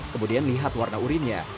kemudian lihat warna urinnya